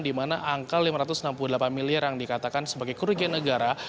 di mana angka lima ratus enam puluh delapan miliar yang dikatakan sebagai kerugian negara